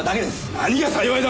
何が幸いだ！